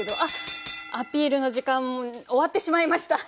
アピールの時間終わってしまいました。